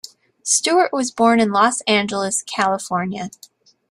Stewart was born in Los Angeles, California.